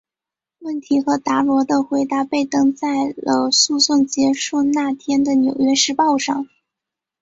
问题和达罗的回答被登在了诉讼结束那天的纽约时报上。